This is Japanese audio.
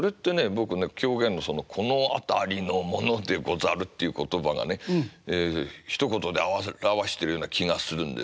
僕ね狂言の「この辺りの者でござる」っていう言葉がねひと言で表してるような気がするんですね。